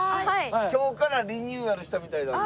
今日からリニューアルしたみたいなんで。